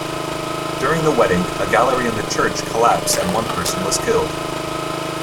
During the wedding, a gallery in the church collapsed and one person was killed.